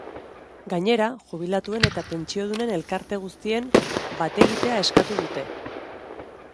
Gainera, jubilatuen eta pentsiodunen elkarte guztien bategitea eskatu dute.